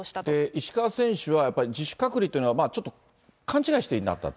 石川選手は、自主隔離というのは、ちょっと勘違いしていたと。